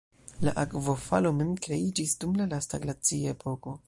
La akvofalo mem kreiĝis dum la lasta glaciepoko.